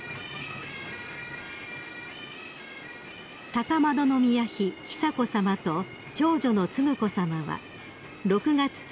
［高円宮妃久子さまと長女の承子さまは６月１日